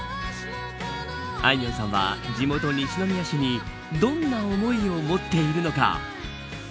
あいみょんさんは、地元西宮市にどんな思いを持っているのか。